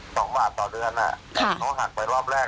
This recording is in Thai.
สวัสดีครับ